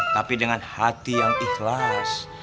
tapi dengan hati yang ikhlas